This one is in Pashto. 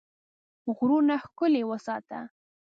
غرونه ښکلي وساته.